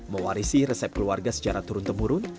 mewarisi resep keluarga secara turun temurun